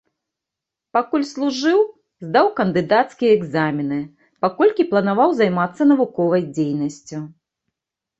Пакуль служыў, здаў кандыдацкія экзамены, паколькі планаваў займацца навуковай дзейнасцю.